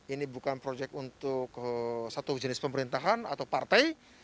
ini bukan proyek untuk satu jenis pemerintahan atau partai